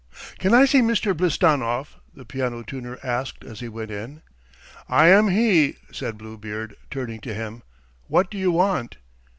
"Can I see Mr. Blistanov?" the piano tuner asked as he went in. "I am he!" said Bluebeard, turning to him. "What do you want?"